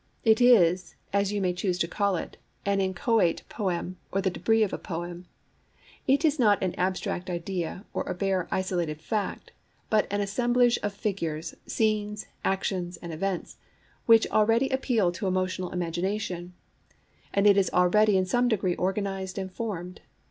It is, as you may choose to call it, an inchoate poem or the débris of a poem. It is not an abstract idea or a bare isolated fact, but an assemblage of figures, scenes, actions, and events, which already appeal to emotional imagination; and it is already in some degree organized and formed.